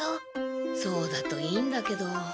そうだといいんだけど。